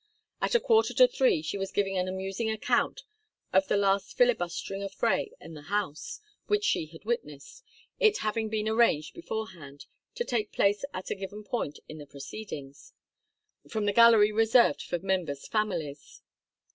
At a quarter to three she was giving an amusing account of the last filibustering affray in the House, which she had witnessed it having been arranged beforehand to take place at a given point in the proceedings from the gallery reserved for members' families.